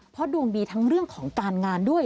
เพราะดวงดีทั้งเรื่องของการงานด้วย